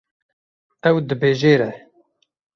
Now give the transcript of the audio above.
Ew dibijêre.